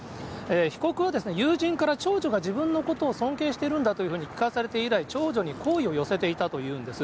被告は友人から長女が自分のことを尊敬してるんだというふうに聞かされて以来、長女に好意を寄せていたというんです。